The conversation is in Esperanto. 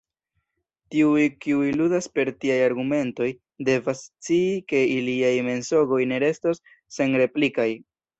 Tiuj, kiuj ludas per tiaj argumentoj, devas scii, ke iliaj mensogoj ne restos senreplikaj.